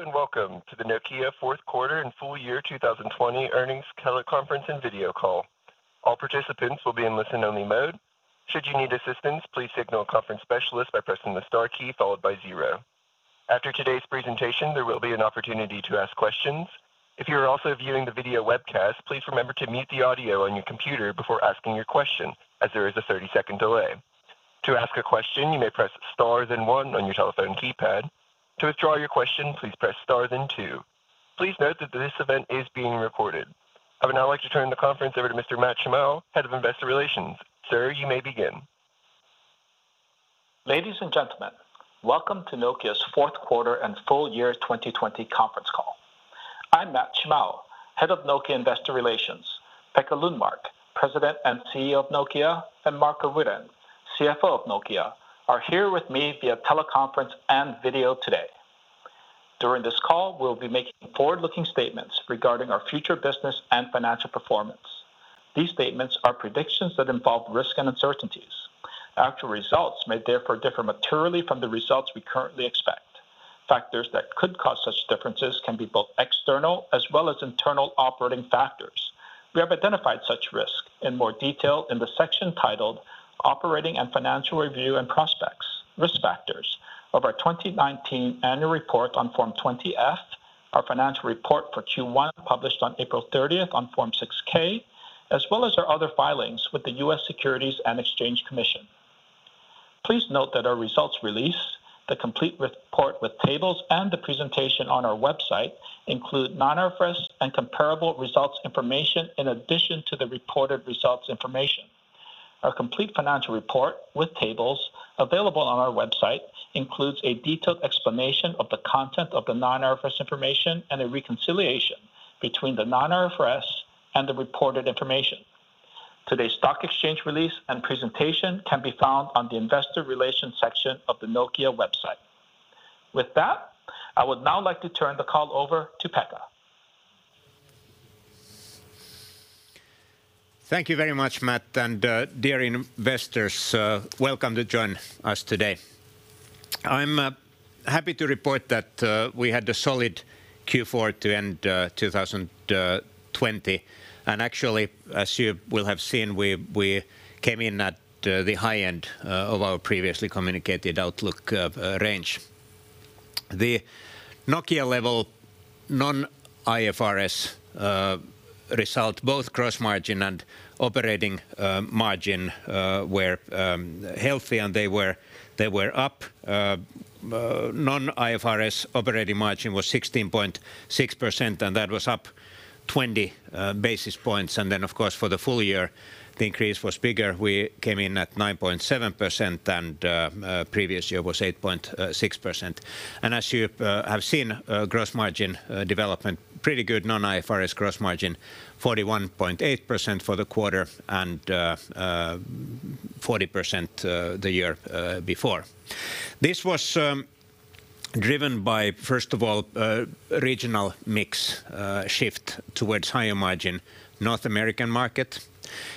Hello, and welcome to the Nokia Fourth Quarter and Full Year 2020 Earnings Teleconference and Video Call. All participants will be in listen only mode. After today's presentation, there will be an opportunity to ask questions. If you are also viewing the video webcast, please remember to mute the audio on your computer before asking your question, as there is a 30-second delay. Please note that this event is being recorded. I would now like to turn the conference over to Mr. Matt Shimao, Head of Investor Relations. Sir, you may begin. Ladies and gentlemen, welcome to Nokia's fourth quarter and full year 2020 conference call. I'm Matt Shimao, Head of Nokia Investor Relations. Pekka Lundmark, President and CEO of Nokia, and Marco Wirén, CFO of Nokia, are here with me via teleconference and video today. During this call, we'll be making forward-looking statements regarding our future business and financial performance. These statements are predictions that involve risks and uncertainties. Actual results may therefore differ materially from the results we currently expect. Factors that could cause such differences can be both external as well as internal operating factors. We have identified such risks in more detail in the section titled "Operating and Financial Review and Prospects. Risk Factors" of our 2019 Annual Report on Form 20-F, our financial report for Q1, published on April 30th on Form 6-K, as well as our other filings with the U.S. Securities and Exchange Commission. Please note that our results release, the complete report with tables, and the presentation on our website include non-IFRS and comparable results information in addition to the reported results information. Our complete financial report, with tables, available on our website includes a detailed explanation of the content of the non-IFRS information and a reconciliation between the non-IFRS and the reported information. Today's stock exchange release and presentation can be found on the Investor Relations section of the Nokia website. With that, I would now like to turn the call over to Pekka. Thank you very much, Matt, and dear investors, welcome to join us today. I'm happy to report that we had a solid Q4 to end 2020. As you will have seen, we came in at the high end of our previously communicated outlook range. The Nokia-level non-IFRS result, both gross margin and operating margin, were healthy, and they were up. Non-IFRS operating margin was 16.6%, and that was up 20 basis points. Of course, for the full year, the increase was bigger. We came in at 9.7%, and previous year was 8.6%. As you have seen, gross margin development pretty good. Non-IFRS gross margin 41.8% for the quarter and 40% the year before. This was driven by, first of all, regional mix shift towards higher margin North American market.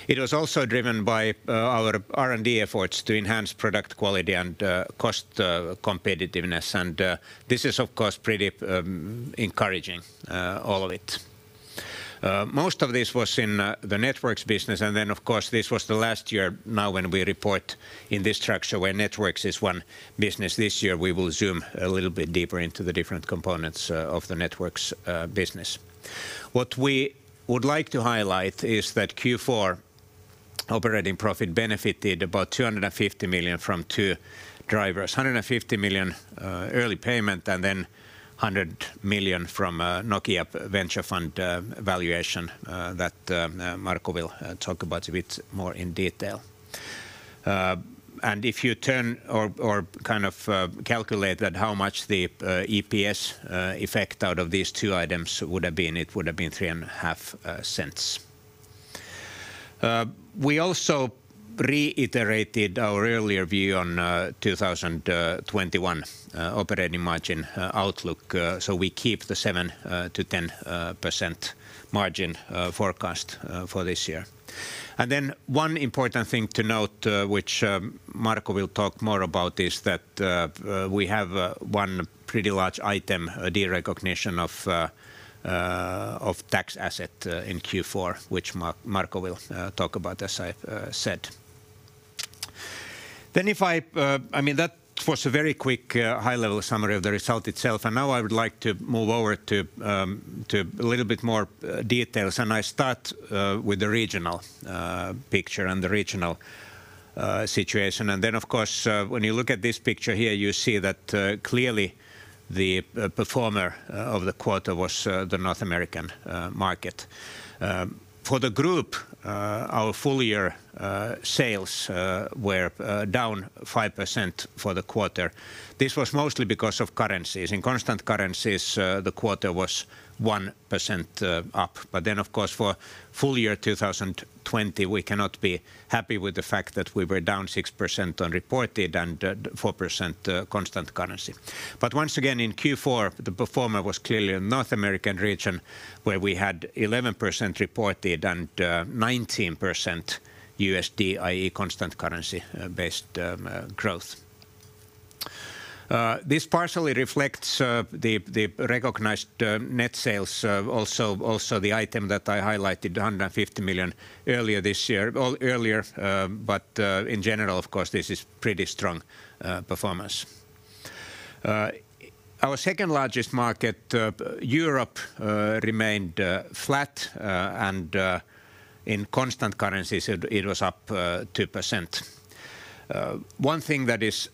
It was also driven by our R&D efforts to enhance product quality and cost competitiveness. This is, of course, pretty encouraging, all of it. Most of this was in the Networks business. Then, of course, this was the last year now when we report in this structure where Networks is one business. This year, we will zoom a little bit deeper into the different components of the Networks business. What we would like to highlight is that Q4 operating profit benefited about 250 million from two drivers, 150 million early payment and then 100 million from Nokia Venture Fund valuation that Marco will talk about a bit more in detail. If you turn or kind of calculate that how much the EPS effect out of these two items would have been, it would have been 0.035. We also reiterated our earlier view on 2021 operating margin outlook. We keep the 7% to 10% margin forecast for this year. One important thing to note, which Marco will talk more about, is that we have one pretty large item, a derecognition of tax asset in Q4, which Marco will talk about, as I said. That was a very quick high-level summary of the result itself. Now I would like to move over to a little bit more details. I start with the regional picture and the regional situation. Of course, when you look at this picture here, you see that clearly the performer of the quarter was the North American market. For the group, our full-year sales were down 5% for the quarter. This was mostly because of currencies. In constant currencies, the quarter was 1% up. Of course, for full year 2020, we cannot be happy with the fact that we were down 6% on reported and 4% constant currency. Once again, in Q4, the performer was clearly a North American region where we had 11% reported and 19% USD, i.e. constant currency-based growth. This partially reflects the recognized net sales, also the item that I highlighted, 150 million earlier this year. In general, of course, this is pretty strong performance. Our second-largest market, Europe, remained flat, and in constant currencies, it was up 2%. One thing that is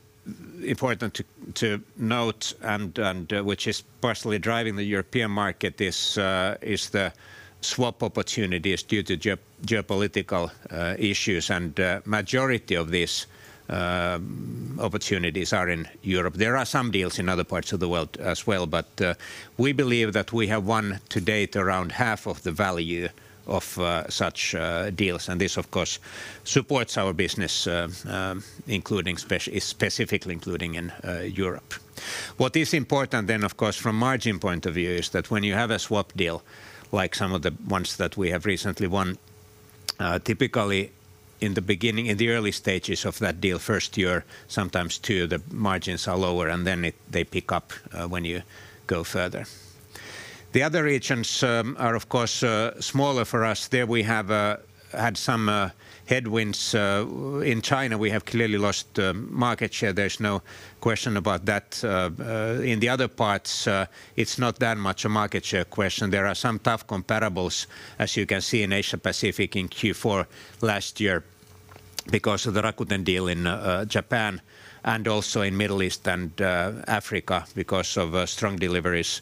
important to note, and which is partially driving the European market, is the swap opportunities due to geopolitical issues. Majority of these opportunities are in Europe. There are some deals in other parts of the world as well, but we believe that we have won to date around half of the value of such deals. This, of course, supports our business, specifically including in Europe. What is important then, of course, from margin point of view is that when you have a swap deal, like some of the ones that we have recently won, typically in the early stages of that deal, first year, sometimes two, the margins are lower and then they pick up when you go further. The other regions are, of course, smaller for us. There we have had some headwinds. In China, we have clearly lost market share. There's no question about that. In the other parts, it's not that much a market share question. There are some tough comparables, as you can see in Asia Pacific in Q4 last year because of the Rakuten deal in Japan and also in Middle East and Africa because of strong deliveries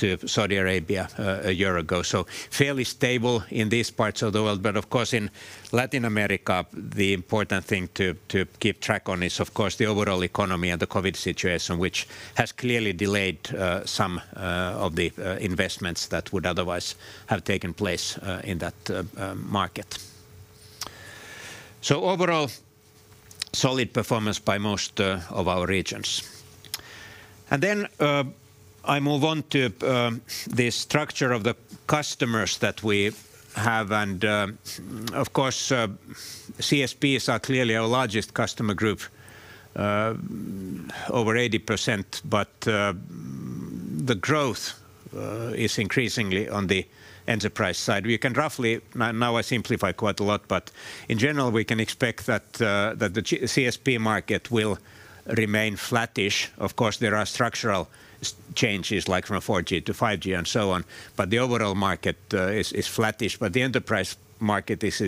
to Saudi Arabia a year ago. Fairly stable in these parts of the world. Of course, in Latin America, the important thing to keep track on is, of course, the overall economy and the COVID situation, which has clearly delayed some of the investments that would otherwise have taken place in that market. Overall, solid performance by most of our regions. I move on to the structure of the customers that we have. Of course, CSPs are clearly our largest customer group, over 80%, but the growth is increasingly on the enterprise side. Now I simplify quite a lot, but in general, we can expect that the CSP market will remain flattish. Of course, there are structural changes like from 4G to 5G and so on, but the overall market is flattish. The enterprise market is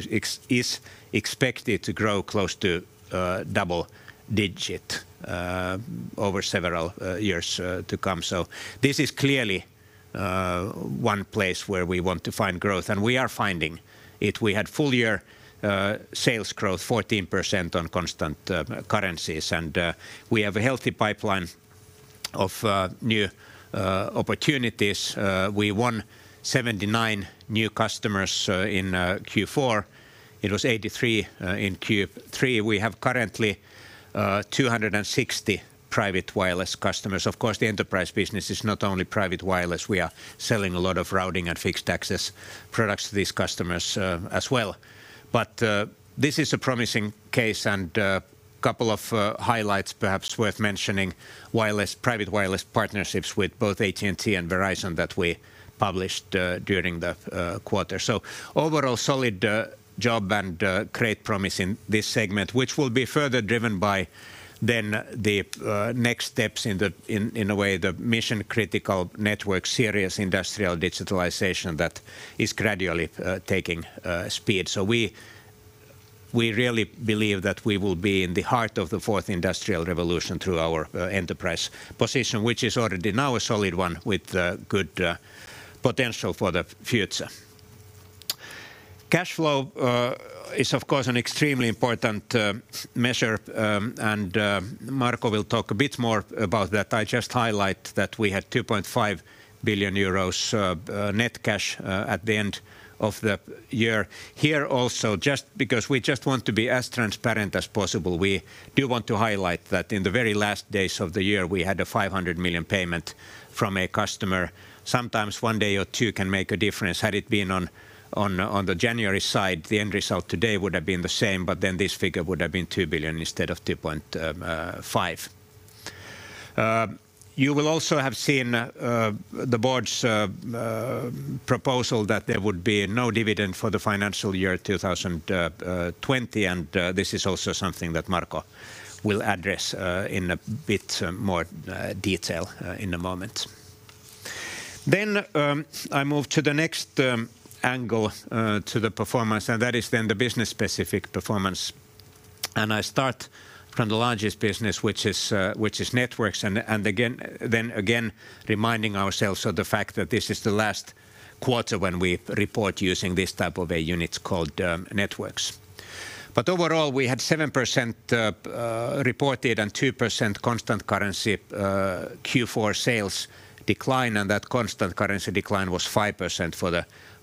expected to grow close to double-digit over several years to come. This is clearly one place where we want to find growth, and we are finding it. We had full-year sales growth 14% on constant currencies, and we have a healthy pipeline of new opportunities. We won 79 new customers in Q4. It was 83 in Q3. We have currently 260 private wireless customers. Of course, the enterprise business is not only private wireless. We are selling a lot of routing and Fixed Access products to these customers as well. This is a promising case and couple of highlights perhaps worth mentioning. Private wireless partnerships with both AT&T and Verizon that we published during the quarter. Overall, solid job and great promise in this segment, which will be further driven by then the next steps in a way the mission-critical network, serious industrial digitalization that is gradually taking speed. We really believe that we will be in the heart of the fourth industrial revolution through our enterprise position, which is already now a solid one with good potential for the future. Cash flow is, of course, an extremely important measure, and Marco will talk a bit more about that. I just highlight that we had 2.5 billion euros net cash at the end of the year. Here, because we just want to be as transparent as possible, we do want to highlight that in the very last days of the year, we had a 500 million payment from a customer. Sometimes one day or two can make a difference. Had it been on the January side, the end result today would have been the same, this figure would have been 2 billion instead of 2.5 billion. You will also have seen the Board's proposal that there would be no dividend for the financial year 2020, this is also something that Marco will address in a bit more detail in a moment. I move to the next angle to the performance, that is then the business-specific performance. I start from the largest business, which is Networks. Reminding ourselves of the fact that this is the last quarter when we report using this type of a unit called Networks. Overall, we had 7% reported and 2% constant currency Q4 sales decline, and that constant currency decline was 5%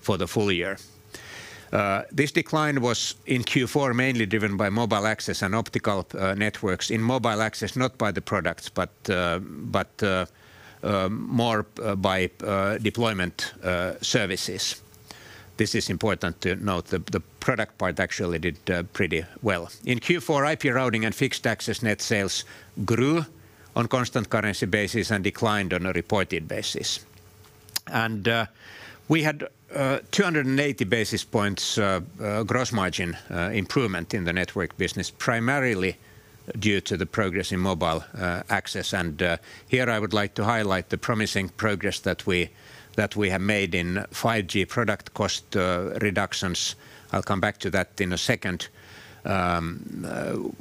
for the full year. This decline was in Q4, mainly driven by Mobile Access and Optical Networks. In Mobile Access, not by the products, but more by deployment services. This is important to note. The product part actually did pretty well. In Q4, IP Routing and Fixed Access net sales grew on constant currency basis and declined on a reported basis. We had 280 basis points gross margin improvement in the Networks business, primarily due to the progress in Mobile Access. Here I would like to highlight the promising progress that we have made in 5G product cost reductions. I'll come back to that in a second,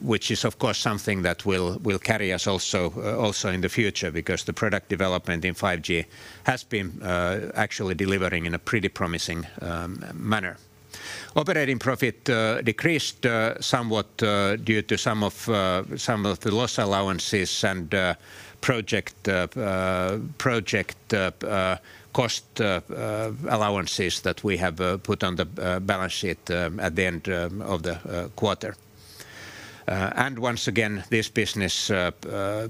which is, of course, something that will carry us also in the future because the product development in 5G has been actually delivering in a pretty promising manner. Operating profit decreased somewhat due to some of the loss allowances and project cost allowances that we have put on the balance sheet at the end of the quarter. Once again, this business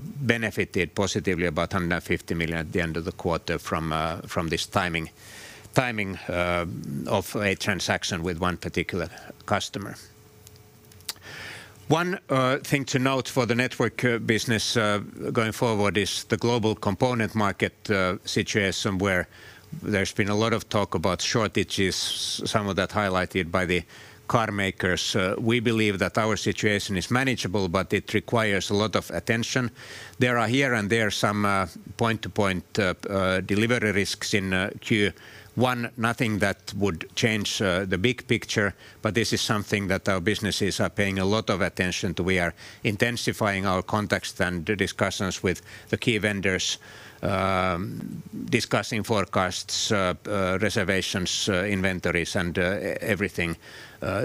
benefited positively about 150 million at the end of the quarter from this timing of a transaction with one particular customer. One thing to note for the network business going forward is the global component market situation where there's been a lot of talk about shortages, some of that highlighted by the car makers. We believe that our situation is manageable, it requires a lot of attention. There are here and there some point-to-point delivery risks in Q1. Nothing that would change the big picture. This is something that our businesses are paying a lot of attention to. We are intensifying our contacts and the discussions with the key vendors, discussing forecasts, reservations, inventories, and everything.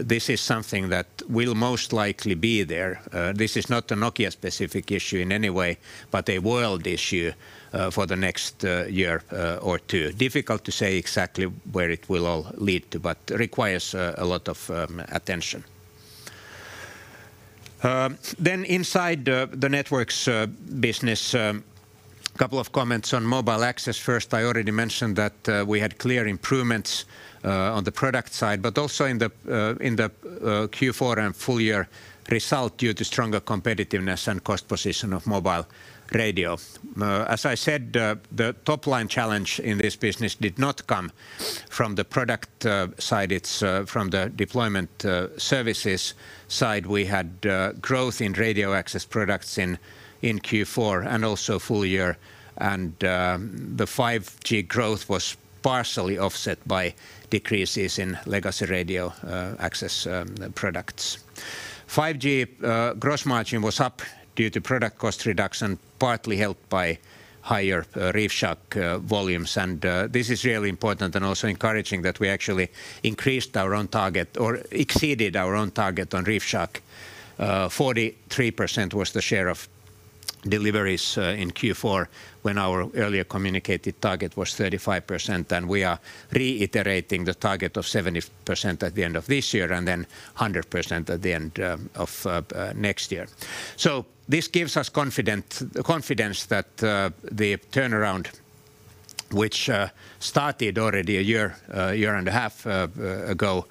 This is something that will most likely be there. This is not a Nokia-specific issue in any way, but a world issue for the next year or two. Difficult to say exactly where it will all lead to, but requires a lot of attention. Inside the Mobile Networks business, couple of comments on Mobile Access. First, I already mentioned that we had clear improvements on the product side, but also in the Q4 and full-year result due to stronger competitiveness and cost position of mobile radio. As I said, the top-line challenge in this business did not come from the product side. It's from the deployment services side. We had growth in radio access products in Q4 and also full-year, and the 5G growth was partially offset by decreases in legacy radio access products. 5G gross margin was up due to product cost reduction, partly helped by higher ReefShark volumes. This is really important and also encouraging that we actually increased our own target or exceeded our own target on ReefShark. 43% was the share of deliveries in Q4 when our earlier communicated target was 35%, and we are reiterating the target of 70% at the end of this year and then 100% at the end of next year. This gives us confidence that the turnaround, which started already a year and a half ago,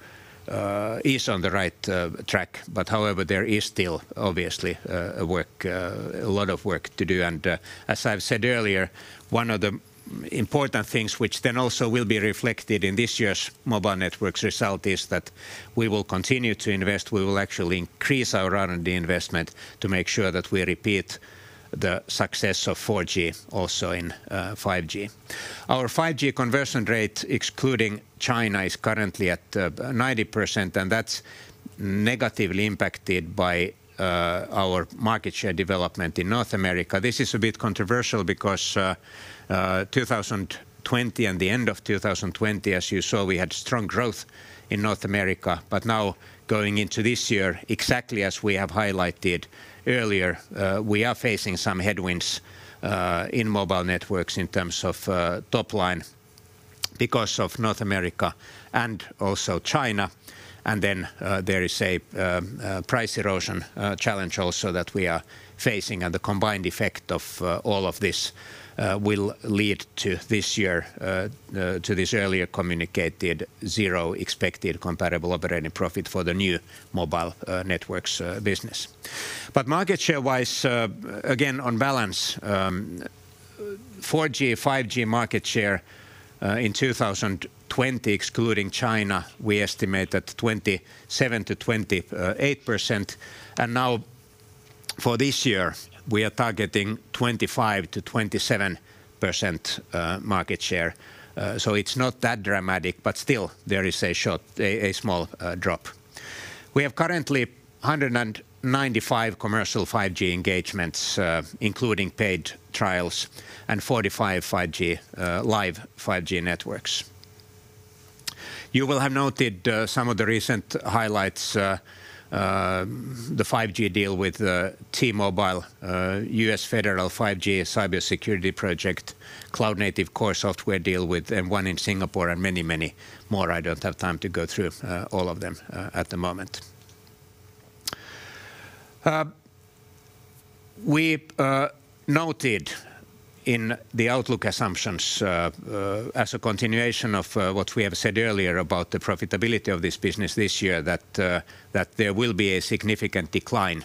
is on the right track. However, there is still obviously a lot of work to do. As I've said earlier, one of the important things which then also will be reflected in this year's Mobile Networks result is that we will continue to invest. We will actually increase our R&D investment to make sure that we repeat the success of 4G also in 5G. Our 5G conversion rate, excluding China, is currently at 90%, and that's negatively impacted by our market share development in North America. This is a bit controversial because 2020 and the end of 2020, as you saw, we had strong growth in North America. Now going into this year, exactly as we have highlighted earlier, we are facing some headwinds in Mobile Networks in terms of top line because of North America and also China. There is a price erosion challenge also that we are facing, and the combined effect of all of this will lead to this earlier communicated zero expected comparable operating profit for the new Mobile Networks business. Market share-wise, again, on balance, 4G, 5G market share in 2020, excluding China, we estimate at 27%-28%. For this year, we are targeting 25%-27% market share. It's not that dramatic, but still there is a small drop. We have currently 195 commercial 5G engagements, including paid trials and 45 live 5G networks. You will have noted some of the recent highlights, the 5G deal with T-Mobile, U.S. Federal 5G Cybersecurity Project, cloud-native core software deal with M1 in Singapore and many, many more. I don't have time to go through all of them at the moment. We noted in the outlook assumptions as a continuation of what we have said earlier about the profitability of this business this year, that there will be a significant decline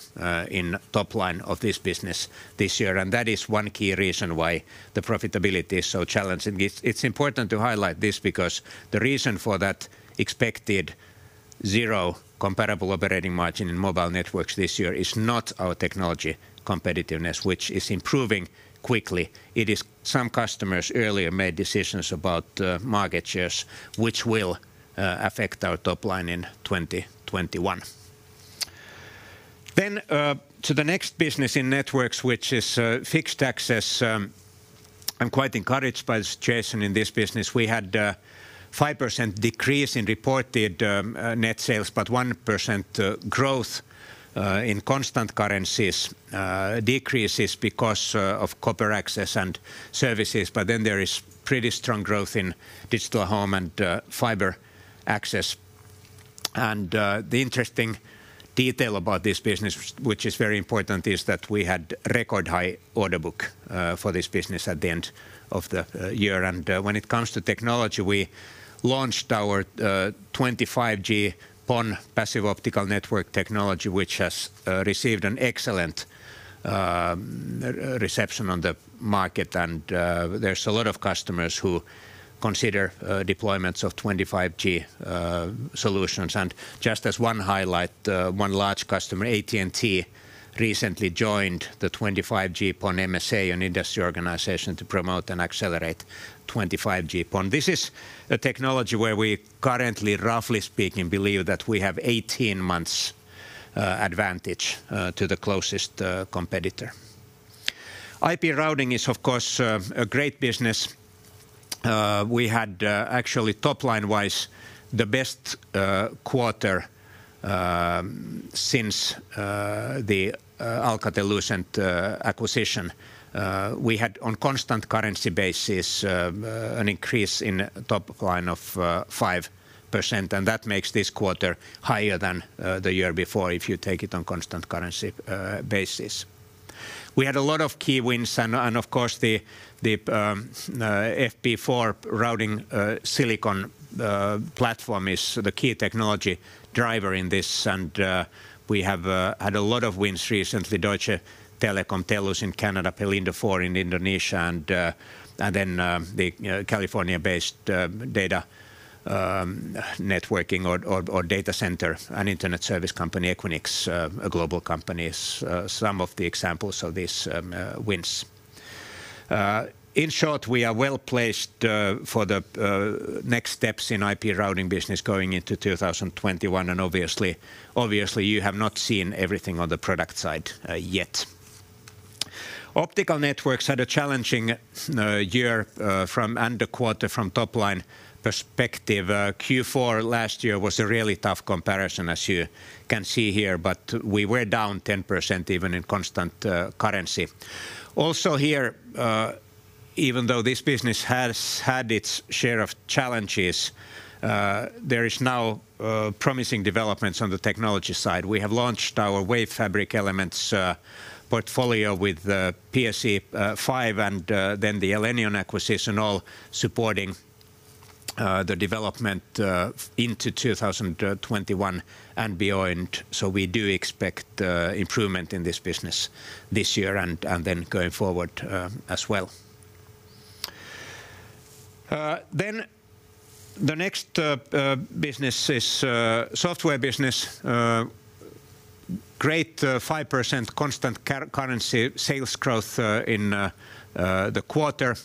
in top line of this business this year. That is one key reason why the profitability is so challenging. It's important to highlight this because the reason for that expected zero comparable operating margin in Mobile Networks this year is not our technology competitiveness, which is improving quickly. It is some customers earlier made decisions about market shares, which will affect our top line in 2021. To the next business in Networks, which is Fixed Access. I'm quite encouraged by the situation in this business. We had 5% decrease in reported net sales, but 1% growth in constant currencies. Decreases because of copper access and services. There is pretty strong growth in digital home and fiber access. The interesting detail about this business, which is very important, is that we had record high order book for this business at the end of the year. When it comes to technology, we launched our 25G PON Passive Optical Network technology, which has received an excellent reception on the market. There's a lot of customers who consider deployments of 25G solutions. Just as one highlight, one large customer, AT&T, recently joined the 25G-PON MSA, an industry organization to promote and accelerate 25G PON. This is a technology where we currently, roughly speaking, believe that we have 18 months advantage to the closest competitor. IP Routing is, of course, a great business. We had actually top line-wise, the best quarter since the Alcatel-Lucent acquisition. We had on constant currency basis an increase in top line of 5%, and that makes this quarter higher than the year before if you take it on constant currency basis. We had a lot of key wins and of course the FP4 routing silicon platform is the key technology driver in this. We have had a lot of wins recently. Deutsche Telekom, TELUS in Canada, Pelindo 4 in Indonesia, and then the California-based data networking or data center and internet service company, Equinix, a global company, is some of the examples of these wins. In short, we are well-placed for the next steps in IP Routing business going into 2021. Obviously, you have not seen everything on the product side yet. Optical Networks had a challenging year and a quarter from top line perspective. Q4 last year was a really tough comparison, as you can see here, we were down 10% even in constant currency. Here, even though this business has had its share of challenges, there is now promising developments on the technology side. We have launched our WaveFabric Elements portfolio with PSE-V and then the Elenion acquisition all supporting the development into 2021 and beyond. We do expect improvement in this business this year and then going forward as well. The next business is Software business. Great 5% constant currency sales growth in the quarter.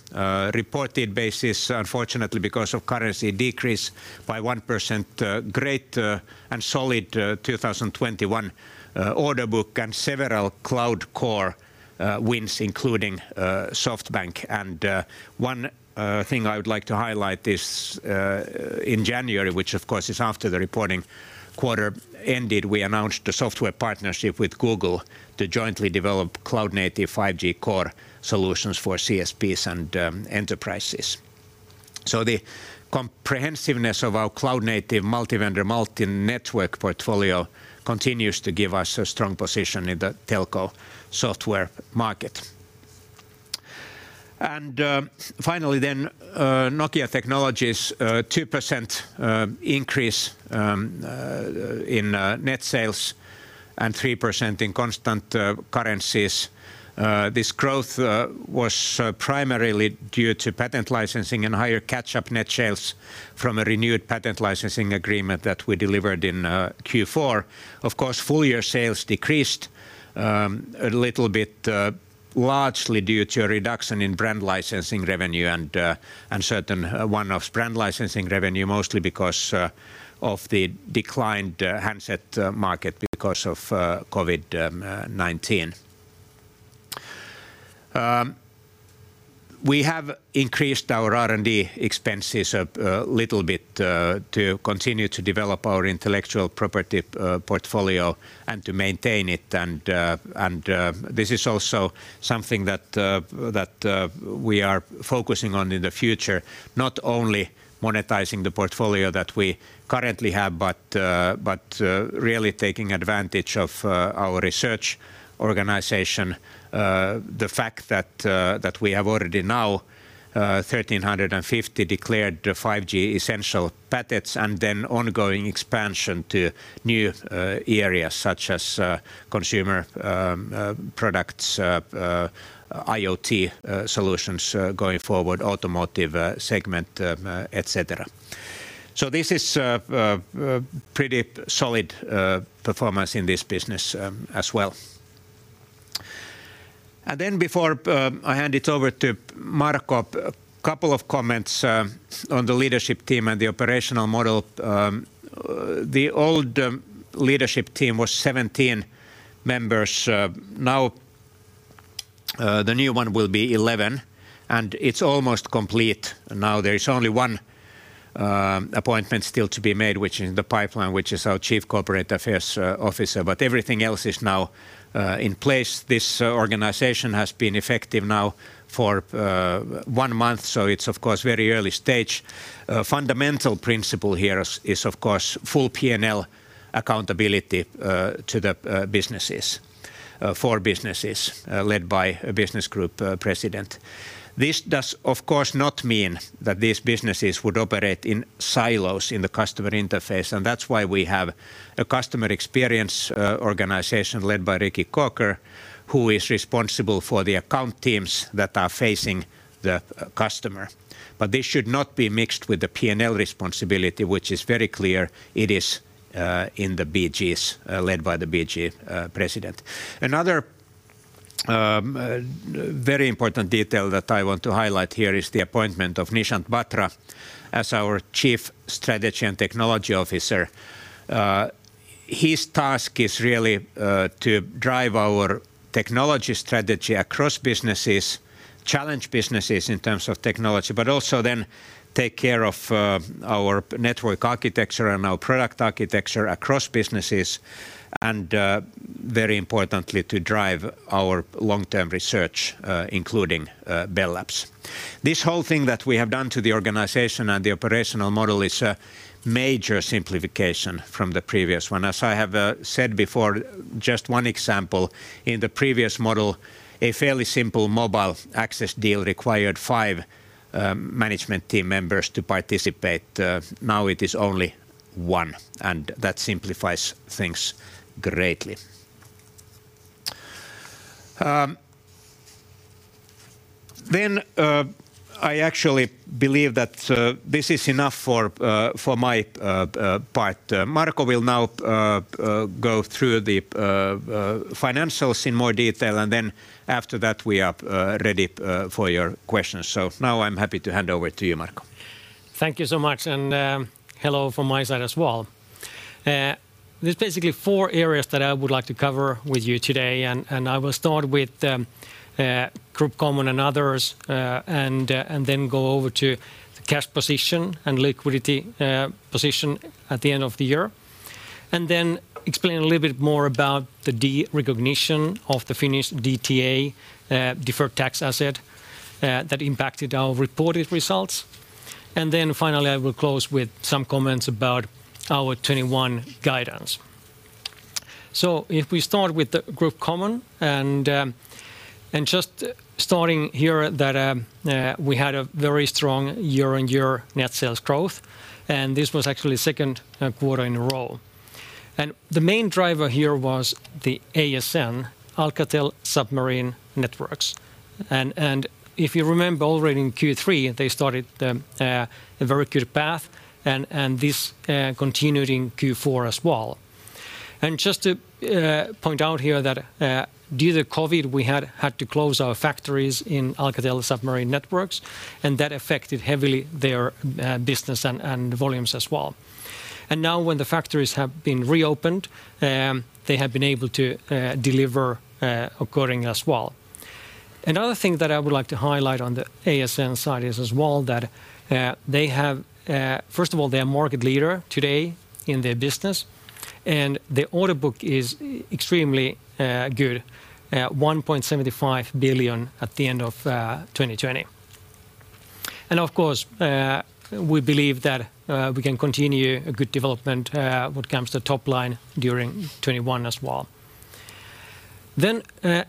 Reported basis, unfortunately, because of currency decrease by 1%. Great and solid 2021 order book and several Cloud Core wins, including SoftBank. One thing I would like to highlight is in January, which of course is after the reporting quarter ended, we announced a software partnership with Google to jointly develop cloud-native 5G Core solutions for CSPs and enterprises. The comprehensiveness of our cloud-native, multi-vendor, multi-network portfolio continues to give us a strong position in the telco software market. Finally, Nokia Technologies, a 2% increase in net sales and 3% in constant currencies. This growth was primarily due to patent licensing and higher catch-up net sales from a renewed patent licensing agreement that we delivered in Q4. Of course, full-year sales decreased a little bit largely due to a reduction in brand licensing revenue and certain one-offs brand licensing revenue, mostly because of the declined handset market because of COVID-19. We have increased our R&D expenses a little bit to continue to develop our intellectual property portfolio and to maintain it. This is also something that we are focusing on in the future. Not only monetizing the portfolio that we currently have, but really taking advantage of our research organization. The fact that we have already now 1,350 declared 5G essential patents and ongoing expansion to new areas such as consumer products, IoT solutions going forward, automotive segment, et cetera. This is pretty solid performance in this business as well. Before I hand it over to Marco, a couple of comments on the leadership team and the operational model. The old leadership team was 17 members. The new one will be 11, and it's almost complete now. There is only one appointment still to be made, which is in the pipeline, which is our Chief Corporate Affairs Officer. Everything else is now in place. This organization has been effective now for one month, so it's, of course, very early stage. Fundamental principle here is, of course, full P&L accountability to the businesses. Four businesses led by a business group president. This does, of course, not mean that these businesses would operate in silos in the customer interface. That's why we have a Customer Experience organization led by Ricky Corker, who is responsible for the account teams that are facing the customer. This should not be mixed with the P&L responsibility, which is very clear. It is in the BGs led by the BG president. Another very important detail that I want to highlight here is the appointment of Nishant Batra as our Chief Strategy and Technology Officer. His task is really to drive our technology strategy across businesses, challenge businesses in terms of technology, but also then take care of our network architecture and our product architecture across businesses, and very importantly, to drive our long-term research including Bell Labs. This whole thing that we have done to the organization and the operational model is a major simplification from the previous one. As I have said before, just one example, in the previous model, a fairly simple Mobile Access deal required five management team members to participate. Now it is only one, and that simplifies things greatly. I actually believe that this is enough for my part. Marco will now go through the financials in more detail, and then after that, we are ready for your questions. Now I'm happy to hand over to you, Marco. Thank you so much, and hello from my side as well. There's basically four areas that I would like to cover with you today. I will start with Group Common and others, then go over to the cash position and liquidity position at the end of the year. Then explain a little bit more about the derecognition of the Finnish DTA, Deferred Tax Asset, that impacted our reported results. Finally, I will close with some comments about our 2021 guidance. If we start with the Group Common, just starting here that we had a very strong year-on-year net sales growth. This was actually the second quarter in a row. The main driver here was the ASN, Alcatel Submarine Networks. If you remember already in Q3, they started a very good path. This continued in Q4 as well. Just to point out here that due to COVID, we had to close our factories in Alcatel Submarine Networks, and that affected heavily their business and volumes as well. Now when the factories have been reopened, they have been able to deliver according as well. Another thing that I would like to highlight on the ASN side is as well that First of all, they are market leader today in their business, and the order book is extremely good. 1.75 billion at the end of 2020. Of course, we believe that we can continue a good development when it comes to top line during 2021 as well.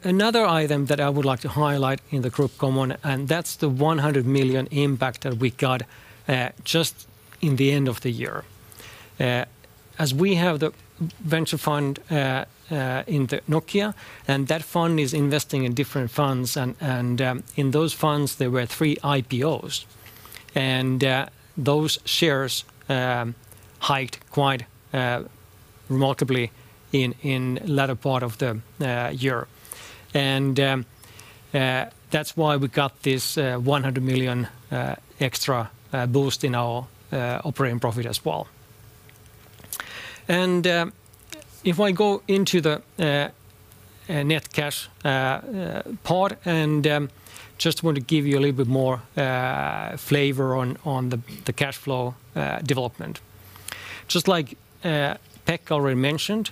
Another item that I would like to highlight in the Group Common, and that's the 100 million impact that we got just in the end of the year. As we have the venture fund in Nokia, and that fund is investing in different funds, and in those funds, there were three IPOs. Those shares hiked quite remarkably in latter part of the year. That's why we got this 100 million extra boost in our operating profit as well. If I go into the net cash part, and just want to give you a little bit more flavor on the cash flow development. Just like Pekka already mentioned,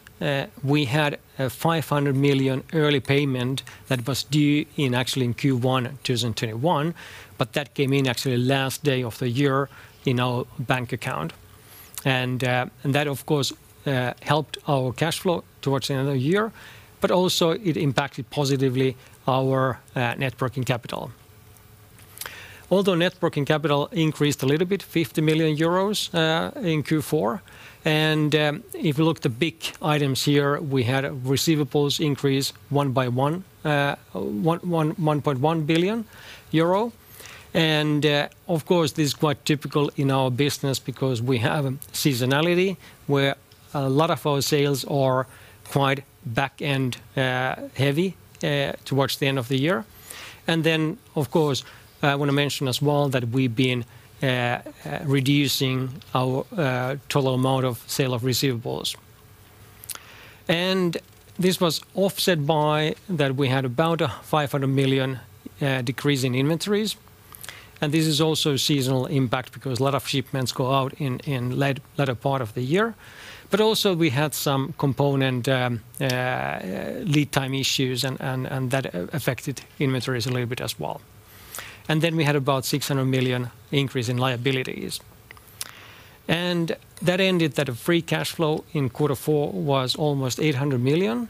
we had a 500 million early payment that was due in actually in Q1 2021, but that came in actually last day of the year in our bank account. That of course helped our cash flow towards the end of the year, but also it impacted positively our net working capital. Although net working capital increased a little bit, 50 million euros in Q4. If you look at the big items here, we had receivables increase 1.1 billion euro. Of course, this is quite typical in our business because we have seasonality where a lot of our sales are quite back-end heavy towards the end of the year. Then, of course, I want to mention as well that we've been reducing our total amount of sale of receivables. This was offset by that we had about a 500 million decrease in inventories. This is also seasonal impact because a lot of shipments go out in latter part of the year. Also we had some component lead time issues, and that affected inventories a little bit as well. Then we had about 600 million increase in liabilities. Free cash flow in quarter four was almost 800 million,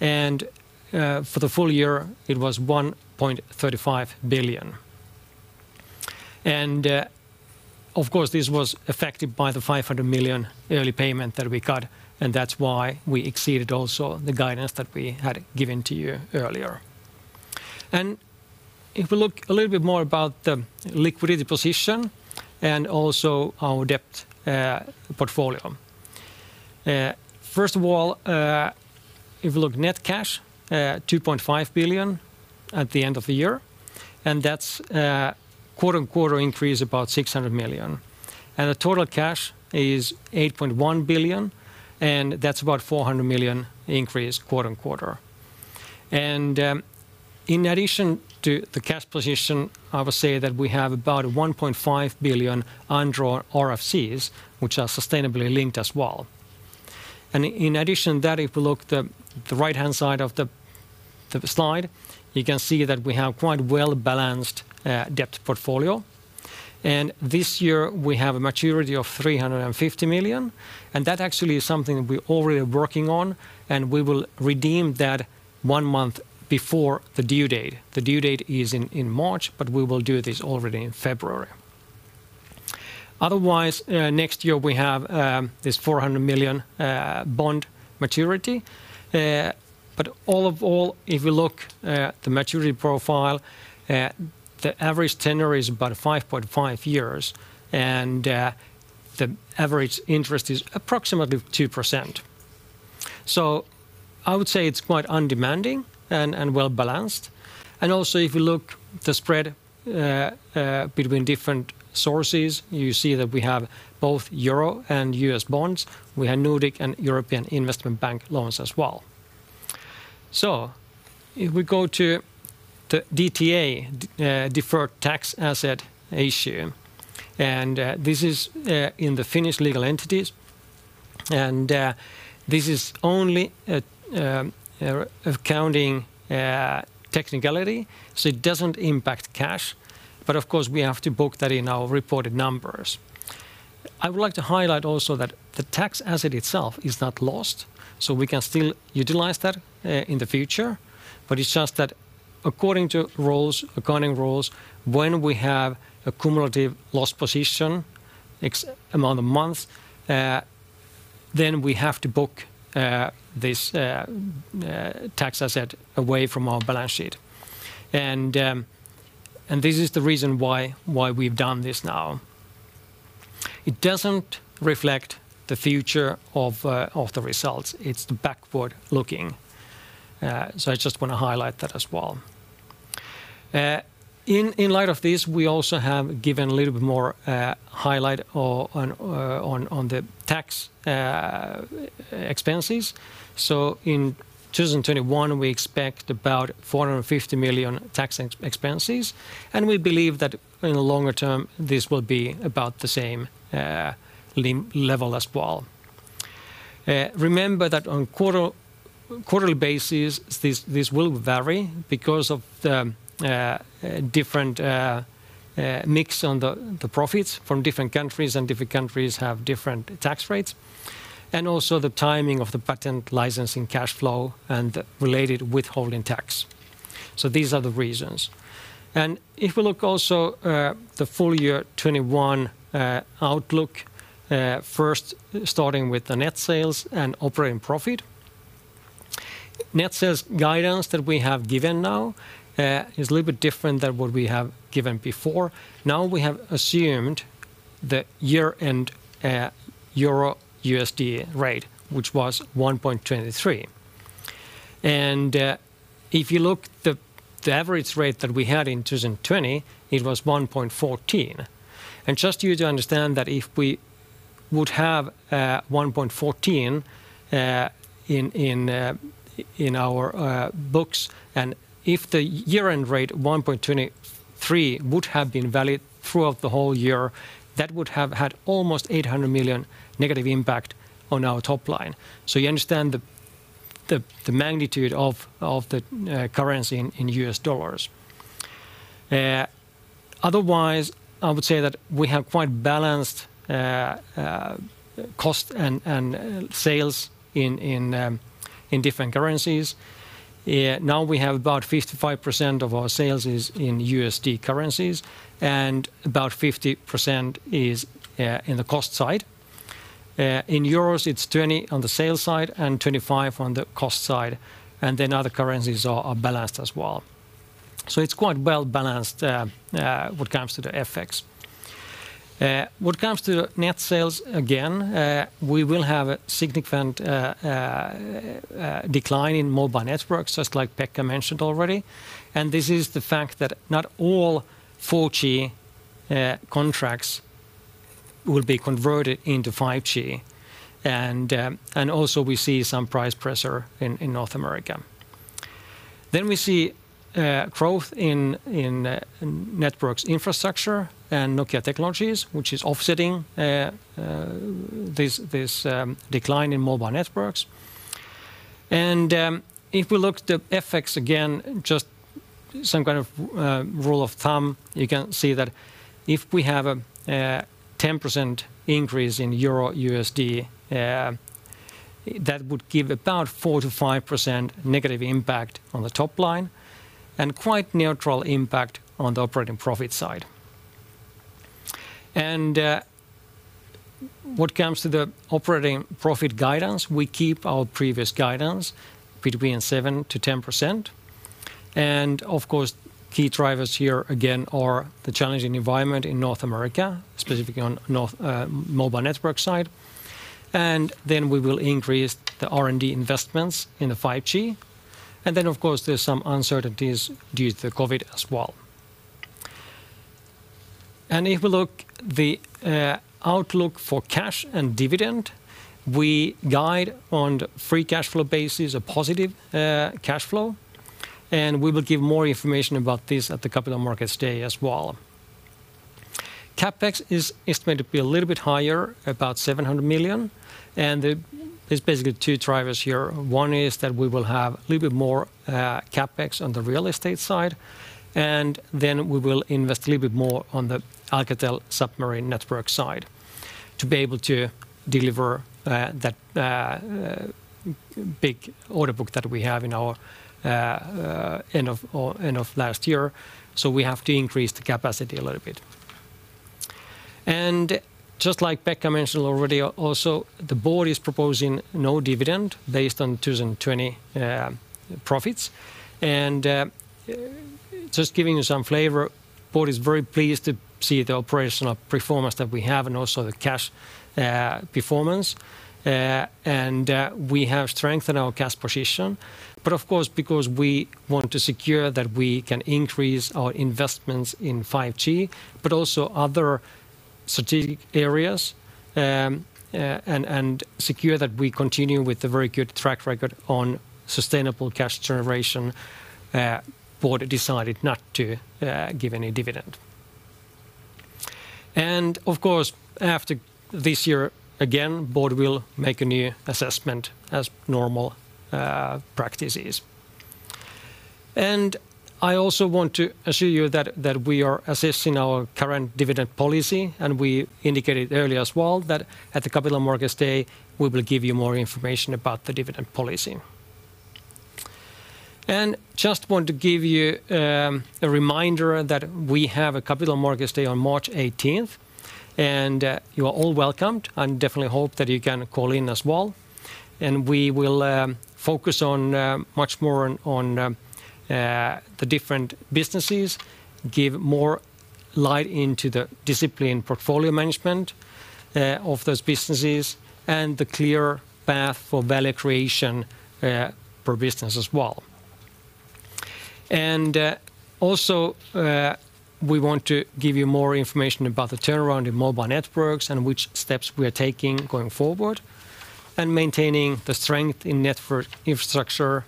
for the full year it was 1.35 billion. Of course, this was affected by the 500 million early payment that we got, that's why we exceeded also the guidance that we had given to you earlier. If we look a little bit more about the liquidity position and also our debt portfolio. First of all, if you look net cash, 2.5 billion at the end of the year, that's quarter-on-quarter increase about 600 million. The total cash is 8.1 billion, that's about 400 million increase quarter-on-quarter. In addition to the cash position, I would say that we have about 1.5 billion undrawn RCFs, which are sustainably linked as well. In addition to that, if you look at the right-hand side of the slide, you can see that we have quite well-balanced debt portfolio. This year we have a maturity of 350 million, and that actually is something we're already working on, and we will redeem that one month before the due date. The due date is in March, but we will do this already in February. Otherwise, next year we have this 400 million bond maturity. All of all, if you look at the maturity profile, the average tenure is about 5.5 years, and the average interest is approximately 2%. I would say it's quite undemanding and well-balanced. Also if you look the spread between different sources, you see that we have both euro and U.S. bonds. We have Nordic and European Investment Bank loans as well. If we go to DTA, Deferred Tax Asset issue, and this is in the Finnish legal entities, and this is only accounting technicality, so it doesn't impact cash. Of course, we have to book that in our reported numbers. I would like to highlight also that the tax asset itself is not lost, so we can still utilize that in the future. It's just that according to rules, accounting rules, when we have a cumulative loss position among the month, then we have to book this tax asset away from our balance sheet. This is the reason why we've done this now. It doesn't reflect the future of the results. It's the backward-looking. I just want to highlight that as well. In light of this, we also have given a little bit more highlight on the tax expenses. In 2021, we expect about 450 million tax expenses, and we believe that in the longer term, this will be about the same level as well. Remember that on quarterly basis, this will vary because of the different mix on the profits from different countries, and different countries have different tax rates. Also the timing of the patent licensing cash flow and related withholding tax. These are the reasons. If we look also the full year 2021 outlook, first starting with the net sales and operating profit. Net sales guidance that we have given now is a little bit different than what we have given before. We have assumed the year-end EUR-USD rate, which was 1.23. If you look the average rate that we had in 2020, it was 1.14. Just you to understand that if we would have 1.14 in our books, and if the year-end rate 1.23 would have been valid throughout the whole year, that would have had almost 800 million negative impact on our top line. You understand the magnitude of the currency in U.S. dollars. Otherwise, I would say that we have quite balanced cost and sales in different currencies. Now we have about 55% of our sales is in USD currencies, and about 50% is in the cost side. In EUR, it is 20% on the sales side and 25% on the cost side. Then other currencies are balanced as well. It is quite well-balanced when it comes to the FX. When it comes to net sales, again, we will have a significant decline in Mobile Networks, just like Pekka mentioned already. This is the fact that not all 4G contracts will be converted into 5G. Also, we see some price pressure in North America. We see growth in Networks Infrastructure and Nokia Technologies, which is offsetting this decline in Mobile Networks. If we look at the FX again, just some kind of rule of thumb, you can see that if we have a 10% increase in EUR-USD, that would give about 4%-5% negative impact on the top line and quite neutral impact on the operating profit side. What comes to the operating profit guidance, we keep our previous guidance between 7%-10%. Of course, key drivers here again are the challenging environment in North America, specifically on Mobile Networks side. Then we will increase the R&D investments in the 5G. Then of course, there's some uncertainties due to the COVID as well. If we look the outlook for cash and dividend, we guide on free cash flow basis, a positive cash flow, and we will give more information about this at the Capital Markets Day as well. CapEx is estimated to be a little bit higher, about 700 million. There's basically two drivers here. One is that we will have a little bit more CapEx on the real estate side, and then we will invest a little bit more on the Alcatel Submarine Networks side to be able to deliver that big order book that we have in our end of last year. We have to increase the capacity a little bit. Just like Pekka mentioned already also, the Board is proposing no dividend based on 2020 profits. Just giving you some flavor, Board is very pleased to see the operational performance that we have and also the cash performance. We have strengthened our cash position, but of course because we want to secure that we can increase our investments in 5G, but also other strategic areas, and secure that we continue with the very good track record on sustainable cash generation, Board decided not to give any dividend. Of course, after this year, again, Board will make a new assessment as normal practice is. I also want to assure you that we are assessing our current dividend policy, and we indicated earlier as well that at the Capital Markets Day, we will give you more information about the dividend policy. Just want to give you a reminder that we have a Capital Markets Day on March 18th. You are all welcomed. I definitely hope that you can call in as well. We will focus much more on the different businesses, give more light into the discipline portfolio management of those businesses, and the clear path for value creation for business as well. We want to give you more information about the turnaround in Mobile Networks and which steps we are taking going forward, maintaining the strength in Network Infrastructure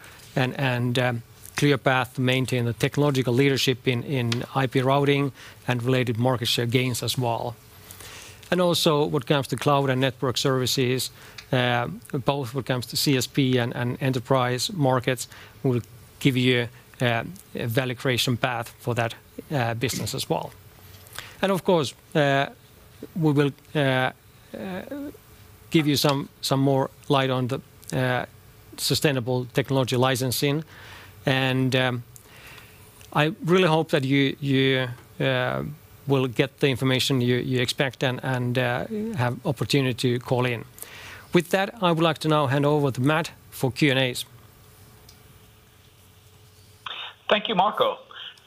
and clear path to maintain the technological leadership in IP Routing and related market share gains as well. What comes to Cloud and Network Services, both what comes to CSP and enterprise markets will give you a value creation path for that business as well. We will give you some more light on the sustainable technology licensing. I really hope that you will get the information you expect and have opportunity to call in. With that, I would like to now hand over to Matt for Q&As. Thank you, Marco.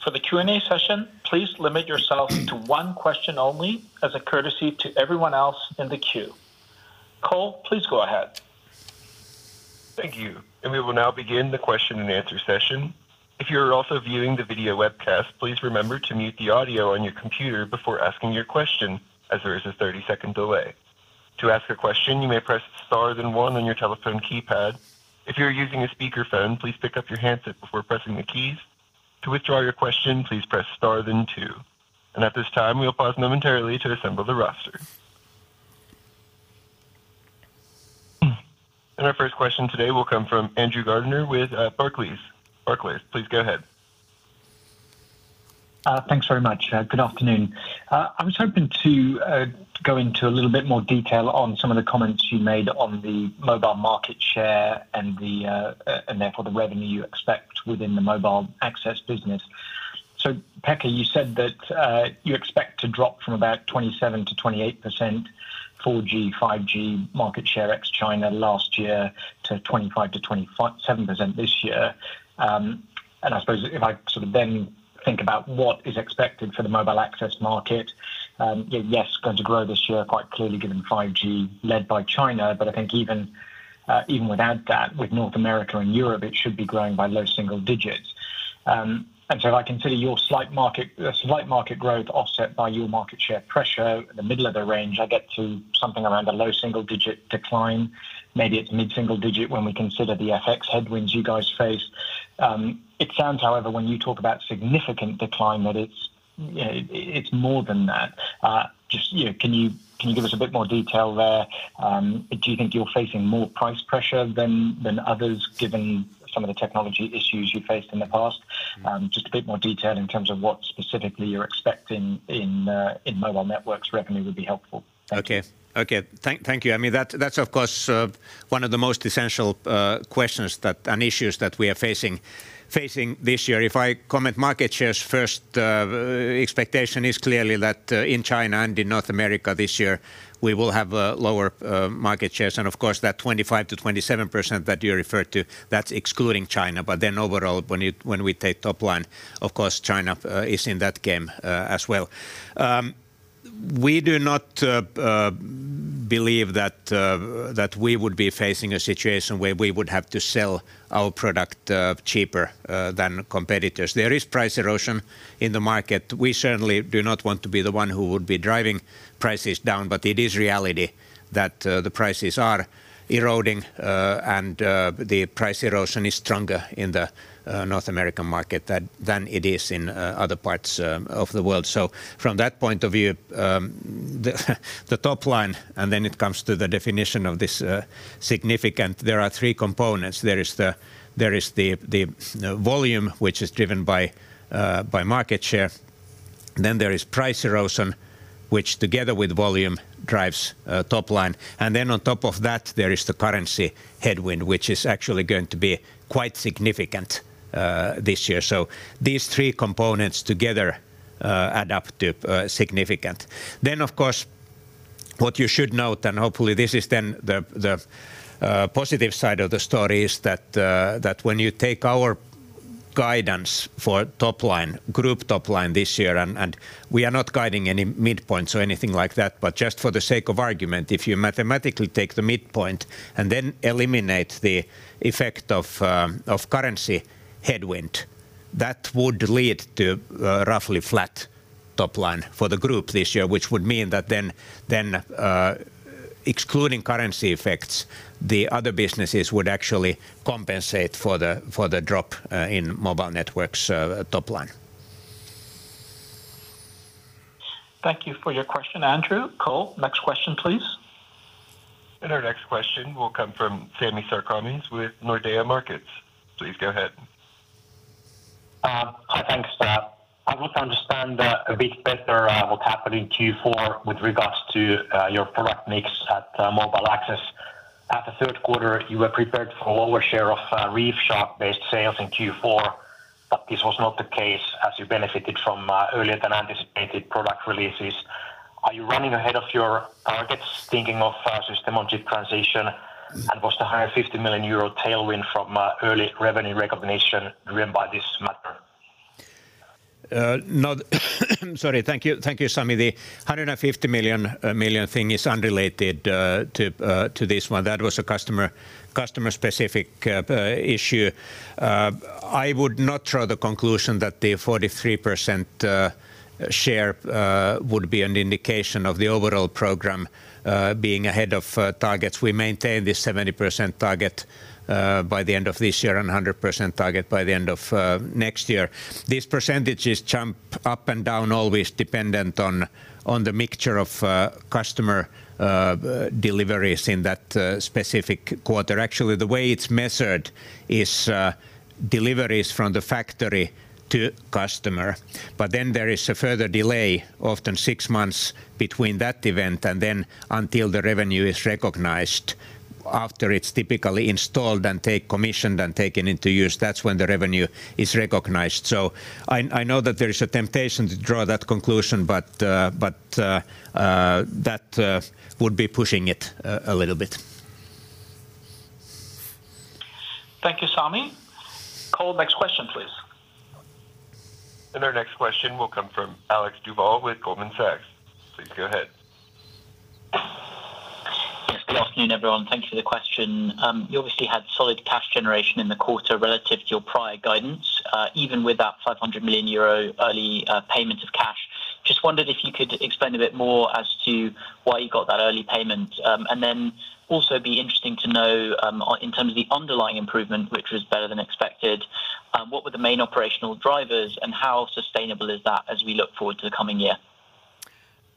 For the Q&A session, please limit yourself to one question only as a courtesy to everyone else in the queue. Cole, please go ahead. Thank you. We will now begin the question and answer session. If you're also viewing the video webcast, please remember to mute the audio on your computer before asking your question as there is a 30-second delay. To ask a question, you may press star then one on your telephone keypad. If you're using a speakerphone, please pick up your handset before pressing the keys. To withdraw your question, please press star then two. At this time, we'll pause momentarily to assemble the roster. Our first question today will come from Andrew Gardiner with Barclays. [Andrew], please go ahead. Thanks very much. Good afternoon. I was hoping to go into a little bit more detail on some of the comments you made on the mobile market share and therefore the revenue you expect within the Mobile Access business. Pekka, you said that you expect to drop from about 27%-28% 4G, 5G market share ex China last year to 25%-27% this year. I suppose if I think about what is expected for the Mobile Access market, yes, going to grow this year quite clearly given 5G led by China, but I think even without that, with North America and Europe, it should be growing by low single digits. If I consider your slight market growth offset by your market share pressure in the middle of the range, I get to something around a low single-digit decline. Maybe it's mid-single digit when we consider the FX headwinds you guys face. It sounds, however, when you talk about significant decline that it's more than that. Just can you give us a bit more detail there? Do you think you're facing more price pressure than others, given some of the technology issues you faced in the past? Just a bit more detail in terms of what specifically you're expecting in Mobile Networks revenue would be helpful. Thank you. Okay. Thank you. I mean, that's of course one of the most essential questions and issues that we are facing this year. If I comment market shares first, expectation is clearly that in China and in North America this year, we will have lower market shares. Of course, that 25% to 27% that you referred to, that's excluding China. Overall, when we take top line, of course, China is in that game as well. We do not believe that we would be facing a situation where we would have to sell our product cheaper than competitors. There is price erosion in the market. We certainly do not want to be the one who would be driving prices down, but it is reality that the prices are eroding, and the price erosion is stronger in the North American market than it is in other parts of the world. From that point of view, the top line, and then it comes to the definition of this significant, there are three components. There is the volume, which is driven by market share. There is price erosion, which together with volume, drives top line. On top of that, there is the currency headwind, which is actually going to be quite significant this year. These three components together add up to significant. Of course, what you should note, and hopefully this is then the positive side of the story, is that when you take our guidance for top line, group top line this year, and we are not guiding any midpoints or anything like that, but just for the sake of argument, if you mathematically take the midpoint and then eliminate the effect of currency headwind, that would lead to roughly flat top line for the group this year, which would mean that then excluding currency effects, the other businesses would actually compensate for the drop in Mobile Networks top line. Thank you for your question, Andrew. Cole, next question, please. Our next question will come from Sami Sarkamies with Nordea Markets. Please go ahead. Hi, thanks. I want to understand a bit better what happened in Q4 with regards to your product mix at Mobile Networks. At the third quarter, you were prepared for a lower share of ReefShark-based sales in Q4, but this was not the case as you benefited from earlier than anticipated product releases. Are you running ahead of your targets thinking of System-on-Chip transition, and was the 150 million euro tailwind from early revenue recognition driven by this matter? No. Sorry. Thank you, Sami. The 150 million thing is unrelated to this one. That was a customer-specific issue. I would not draw the conclusion that the 43% share would be an indication of the overall program being ahead of targets. We maintain this 70% target by the end of this year and 100% target by the end of next year. These percentages jump up and down, always dependent on the mixture of customer deliveries in that specific quarter. Actually, the way it is measured is deliveries from the factory to customer. There is a further delay, often six months, between that event and then until the revenue is recognized after it is typically installed and commissioned and taken into use. That is when the revenue is recognized. I know that there is a temptation to draw that conclusion, but that would be pushing it a little bit. Thank you, Sami. Cole, next question, please. Our next question will come from Alexander Duval with Goldman Sachs. Please go ahead. Yes. Good afternoon, everyone. Thank you for the question. You obviously had solid cash generation in the quarter relative to your prior guidance, even with that 500 million euro early payment of cash. Wondered if you could expand a bit more as to why you got that early payment. Also be interesting to know in terms of the underlying improvement, which was better than expected, what were the main operational drivers and how sustainable is that as we look forward to the coming year?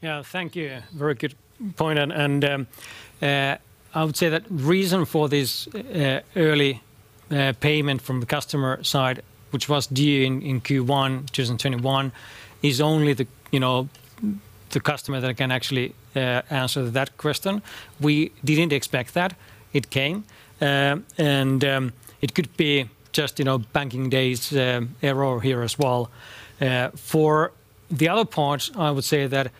Yeah, thank you. Very good point. I would say that reason for this early payment from the customer side, which was due in Q1 2021, is only the customer that can actually answer that question. We didn't expect that. It came. It could be just banking days error here as well. For the other part, I would say that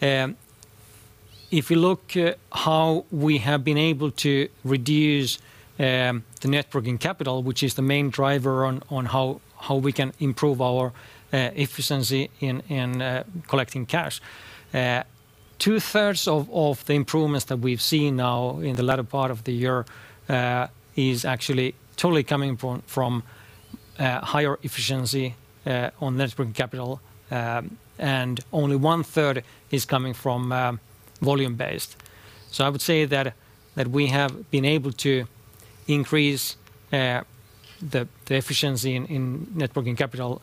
if you look how we have been able to reduce the net working capital, which is the main driver on how we can improve our efficiency in collecting cash. 2/3 of the improvements that we've seen now in the latter part of the year is actually totally coming from higher efficiency on net working capital. Only 1/3 is coming from volume-based. I would say that we have been able to increase the efficiency in net working capital.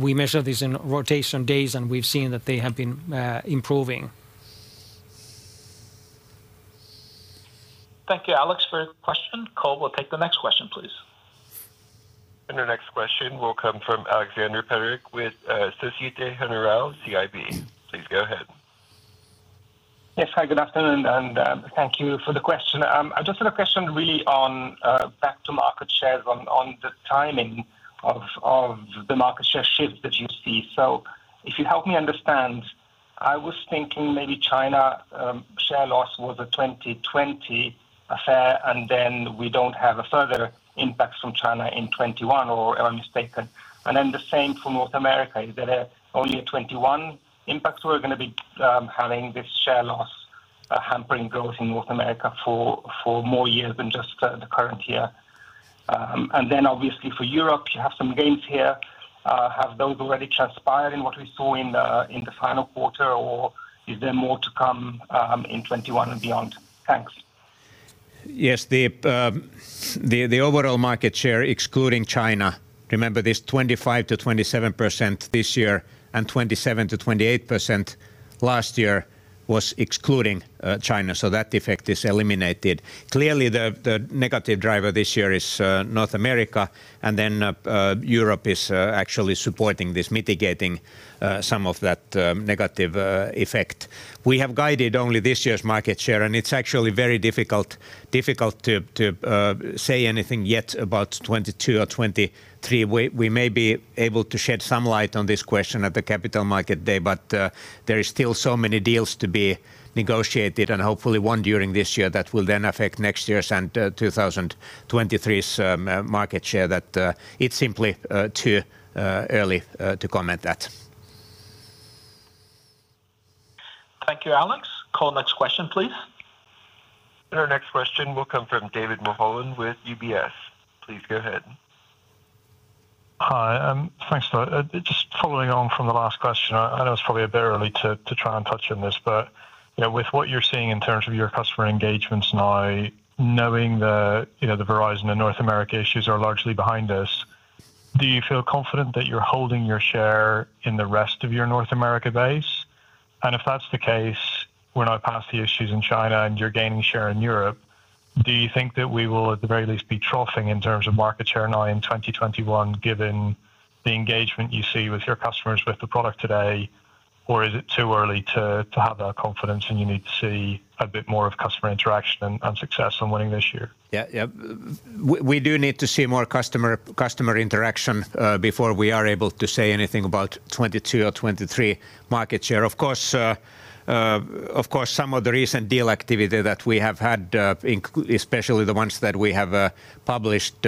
We measure this in rotation days, and we've seen that they have been improving. Thank you, Alex, for the question. Cole, we'll take the next question, please. Our next question will come from Alexander Peterc with Societe Generale CIB. Please go ahead. Yes. Hi, good afternoon. Thank you for the question. I just have a question really on back to market shares on the timing of the market share shifts that you see. If you help me understand, I was thinking maybe China share loss was a 2020 affair, and then we don't have a further impact from China in 2021, or am I mistaken? The same for North America. Is there only a 2021 impact we're going to be having this share loss hampering growth in North America for more years than just the current year? Obviously for Europe, you have some gains here. Have those already transpired in what we saw in the final quarter, or is there more to come in 2021 and beyond? Thanks. Yes, the overall market share, excluding China, remember this 25%-27% this year and 27%-28% last year was excluding China. That effect is eliminated. Clearly, the negative driver this year is North America, Europe is actually supporting this mitigating some of that negative effect. We have guided only this year's market share, it's actually very difficult to say anything yet about 2022 or 2023. We may be able to shed some light on this question at the Capital Market Day, there is still so many deals to be negotiated and hopefully one during this year that will affect next year's and 2023's market share that it's simply too early to comment that. Thank you, Alex. Cole, next question, please. Our next question will come from David Mulholland with UBS. Please go ahead. Hi, thanks. Just following on from the last question. I know it's probably a bit early to try and touch on this, but with what you're seeing in terms of your customer engagements now, knowing the Verizon and North America issues are largely behind us, do you feel confident that you're holding your share in the rest of your North America base? If that's the case, we're now past the issues in China and you're gaining share in Europe. Do you think that we will, at the very least, be troughing in terms of market share now in 2021 given the engagement you see with your customers with the product today, or is it too early to have that confidence and you need to see a bit more of customer interaction and success on winning this year? Yeah. We do need to see more customer interaction before we are able to say anything about 2022 or 2023 market share. Of course, some of the recent deal activity that we have had, especially the ones that we have published,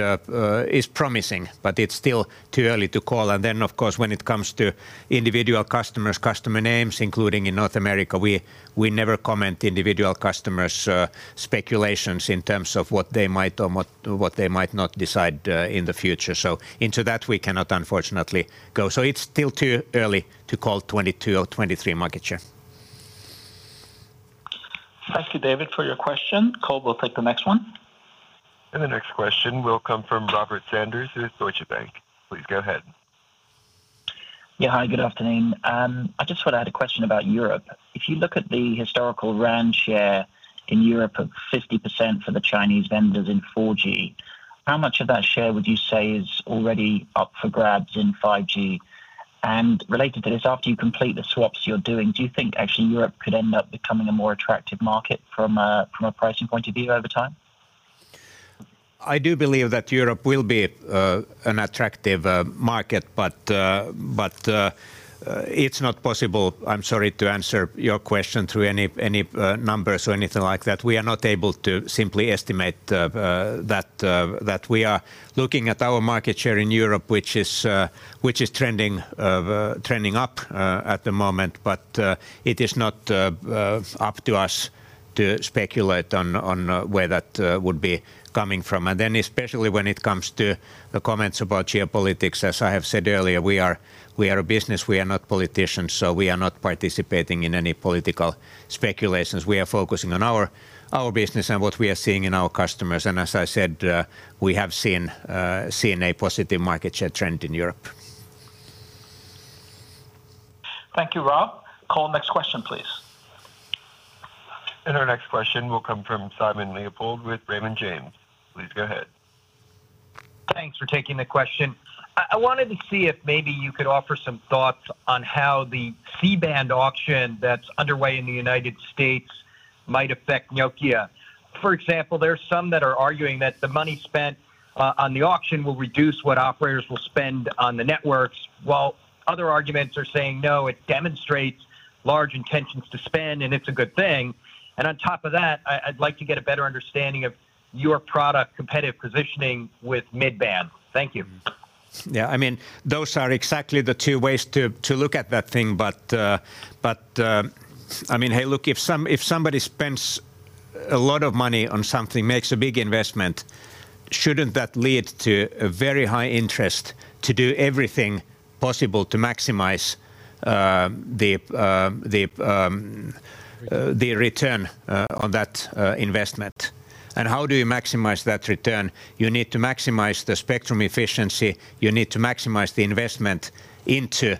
is promising, but it's still too early to call. Of course, when it comes to individual customers, customer names, including in North America, we never comment individual customers' speculations in terms of what they might or what they might not decide in the future. Into that we cannot unfortunately go. It's still too early to call 2022 or 2023 market share. Thank you, David, for your question. Cole will take the next one. The next question will come from Robert Sanders with Deutsche Bank. Please go ahead. Yeah. Hi, good afternoon. I just had a question about Europe. If you look at the historical RAN share in Europe of 50% for the Chinese vendors in 4G, how much of that share would you say is already up for grabs in 5G? Related to this, after you complete the swaps you're doing, do you think actually Europe could end up becoming a more attractive market from a pricing point of view over time? I do believe that Europe will be an attractive market, but it's not possible, I'm sorry to answer your question through any numbers or anything like that. We are not able to simply estimate that. We are looking at our market share in Europe, which is trending up at the moment, but it is not up to us to speculate on where that would be coming from. Especially when it comes to the comments about geopolitics, as I have said earlier, we are a business, we are not politicians, so we are not participating in any political speculations. We are focusing on our business and what we are seeing in our customers. As I said, we have seen a positive market share trend in Europe. Thank you, Rob. Cole, next question, please. Our next question will come from Simon Leopold with Raymond James. Please go ahead. Thanks for taking the question. I wanted to see if maybe you could offer some thoughts on how the C-band auction that's underway in the U.S. might affect Nokia. For example, there are some that are arguing that the money spent on the auction will reduce what operators will spend on the networks, while other arguments are saying, no, it demonstrates large intentions to spend and it's a good thing. On top of that, I'd like to get a better understanding of your product competitive positioning with mid-band. Thank you. Yeah. Those are exactly the two ways to look at that thing. Hey, look, if somebody spends a lot of money on something, makes a big investment, shouldn't that lead to a very high interest to do everything possible to maximize the return on that investment? How do you maximize that return? You need to maximize the spectrum efficiency. You need to maximize the investment into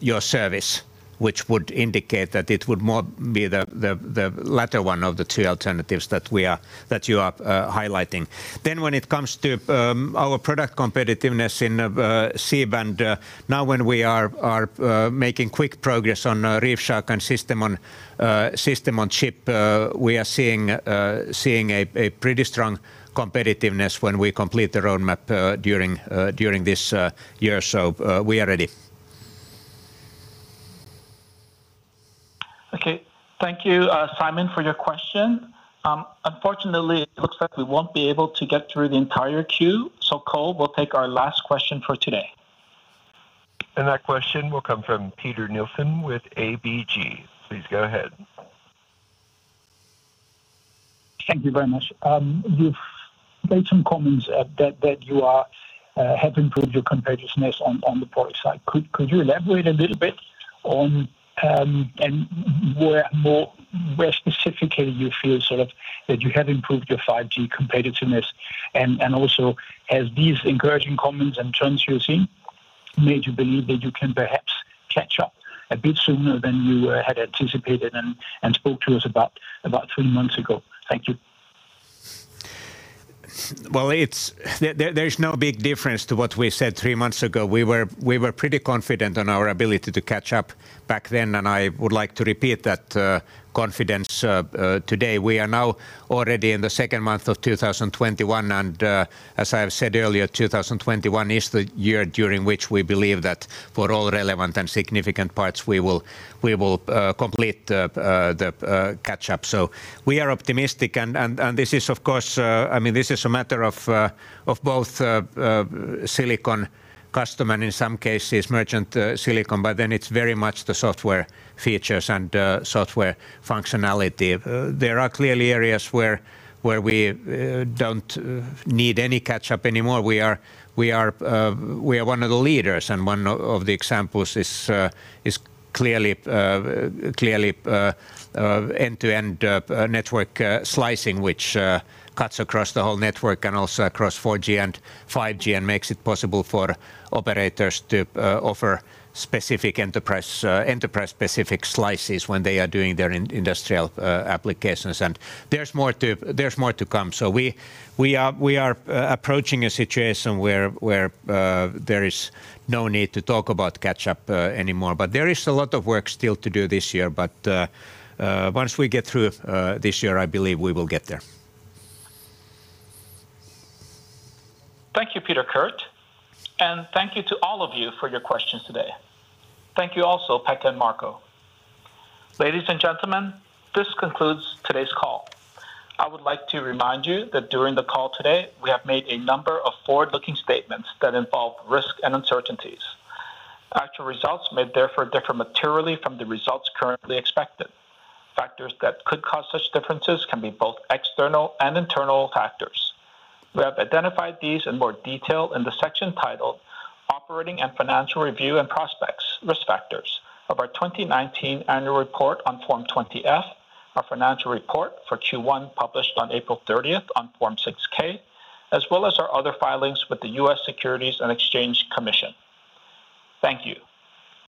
your service, which would indicate that it would more be the latter one of the two alternatives that you are highlighting. When it comes to our product competitiveness in C-band, now when we are making quick progress on ReefShark and system on chip, we are seeing a pretty strong competitiveness when we complete the roadmap during this year. We are ready. Okay. Thank you, Simon, for your question. Unfortunately, it looks like we won't be able to get through the entire queue. Cole, we'll take our last question for today. That question will come from Peter Nielsen with ABG. Please go ahead. Thank you very much. You've made some comments that you have improved your competitiveness on the product side. Could you elaborate a little bit on where specifically you feel that you have improved your 5G competitiveness? Also, has these encouraging comments and trends you're seeing made you believe that you can perhaps catch up a bit sooner than you had anticipated and spoke to us about three months ago? Thank you. There's no big difference to what we said three months ago. We were pretty confident on our ability to catch up back then, and I would like to repeat that confidence today. We are now already in the second month of 2021, and as I have said earlier, 2021 is the year during which we believe that for all relevant and significant parts, we will complete the catch-up. We are optimistic, and this is a matter of both silicon custom and in some cases merchant silicon, but then it's very much the software features and software functionality. There are clearly areas where we don't need any catch-up anymore. We are one of the leaders, and one of the examples is clearly end-to-end network slicing, which cuts across the whole network and also across 4G and 5G and makes it possible for operators to offer enterprise-specific slices when they are doing their industrial applications. There's more to come. We are approaching a situation where there is no need to talk about catch-up anymore. There is a lot of work still to do this year. Once we get through this year, I believe we will get there. Thank you, Peter Kurt, and thank you to all of you for your questions today. Thank you also, Pekka and Marco. Ladies and gentlemen, this concludes today's call. I would like to remind you that during the call today, we have made a number of forward-looking statements that involve risk and uncertainties. Actual results may therefore differ materially from the results currently expected. Factors that could cause such differences can be both external and internal factors. We have identified these in more detail in the section titled "Operating and Financial Review and Prospects - Risk Factors" of our 2019 Annual Report on Form 20-F, our financial report for Q1, published on April 30th on Form 6-K, as well as our other filings with the U.S. Securities and Exchange Commission. Thank you.